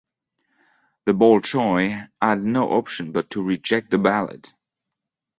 The Bolshoi had no option but to reject the ballet.